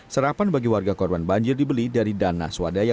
sarapan bagi warga yang tidak terkena banjir